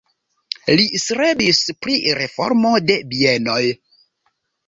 Li strebis pri reformo de bienoj.